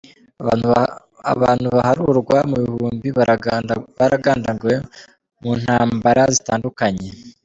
Abantu baharurwa mu bihumbi baragandaguwe mu ntambara zitandukanye.